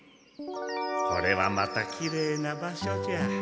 これはまたきれいな場所じゃ。